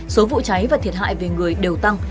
số vụ cháy và thiệt hại về người đều tăng